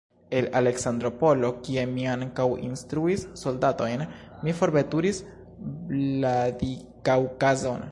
El Aleksandropolo, kie mi ankaŭ instruis soldatojn, mi forveturis Vladikaŭkazon.